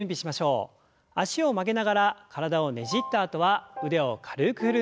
脚を曲げながら体をねじったあとは腕を軽く振る運動です。